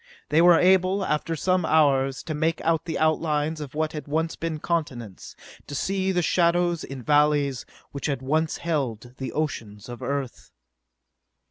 They were able, after some hours, to make out the outlines of what had once been continents, to see the shadows in valleys which had once held the oceans of Earth....